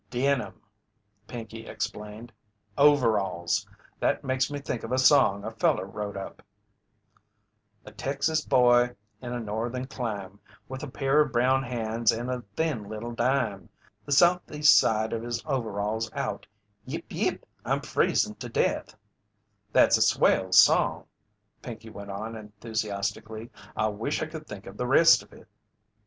"Denim," Pinkey explained, "overalls. That makes me think of a song a feller wrote up: "A Texas boy in a Northern clime, With a pair of brown hands and a thin little dime. The southeast side of his overalls out Yip yip, I'm freezin' to death!" "That's a swell song," Pinkey went on enthusiastically. "I wish I could think of the rest of it."